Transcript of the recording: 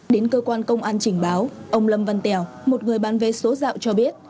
đến cơ quan công an trình báo ông lâm văn tèo một người bán vé số dạo cho biết